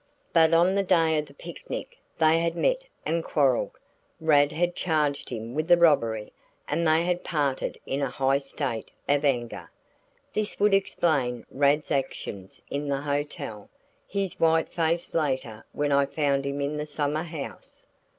But on the day of the picnic they had met and quarreled. Rad had charged him with the robbery and they had parted in a high state of anger. This would explain Rad's actions in the hotel, his white face later when I found him in the summer house.